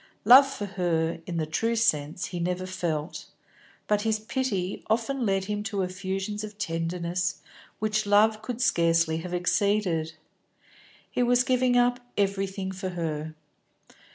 Love for her, in the true sense, he had never felt, but his pity often led him to effusions of tenderness which love could scarcely have exceeded. He was giving up everything for her.